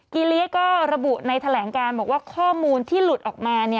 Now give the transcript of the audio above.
ีลิก็ระบุในแถลงการบอกว่าข้อมูลที่หลุดออกมา